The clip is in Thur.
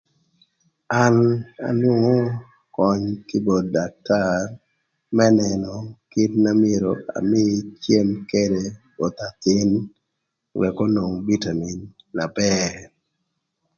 An anwongo köny kï both daktar më nënö kit na myero amïï cem ködë both athïn wëk onwong bitamin na bër